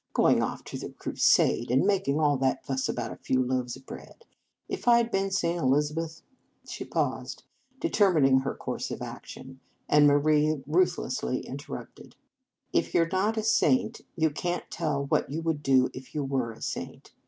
" Going off to the Crusade, and making all that fuss about a few loaves of bread. If I d been St. Eliz abeth" She paused, determining her course of action, and Marie ruthlessly inter posed. " If you re not a saint, you can t tell what you would do if you were a saint.